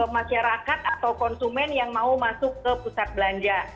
masyarakat atau konsumen yang mau masuk ke pusat belanja